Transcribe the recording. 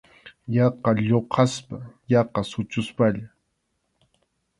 Yaqa lluqaspa, yaqa suchuspalla.